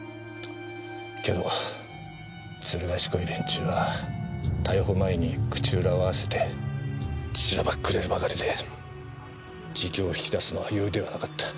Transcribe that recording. けどずる賢い連中は逮捕前に口裏を合わせてしらばっくれるばかりで自供を引き出すのは容易ではなかった。